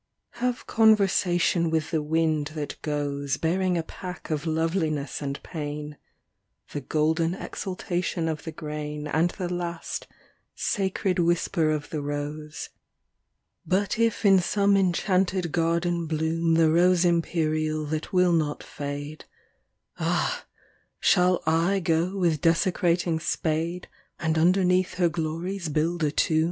VII Have conversation with the wind that goes Bearing a pack of loveliness and pain : The golden exultation of the grain And the last, sacred whisper of the rose VIII But if in some enchanted garden bloom The rose imperial that will not fado, Ah 1 shall I go with desecrating spade An d underneath her glories build a tomb